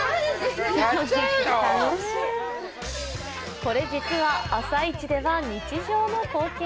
これ実は朝市では日常の光景。